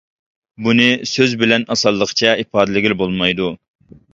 بۇنى سۆز بىلەن ئاسانلىقچە ئىپادىلىگىلى بولمايدۇ.